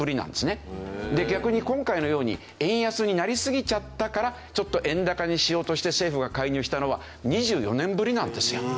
逆に今回のように円安になりすぎちゃったからちょっと円高にしようとして政府が介入したのは２４年ぶりなんですよ。